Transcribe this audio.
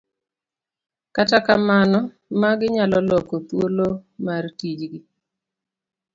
kata kamano, magi nyalo loko thuolo mar tijgi